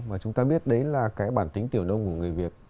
mà chúng ta biết đấy là cái bản tính tiểu đông của người việt